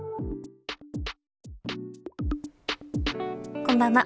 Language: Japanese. こんばんは。